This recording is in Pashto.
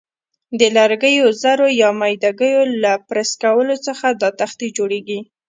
د لرګیو ذرو یا میده ګیو له پرس کولو څخه دا تختې جوړیږي.